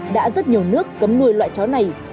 đã rất nhiều nước cấm nuôi loại chó này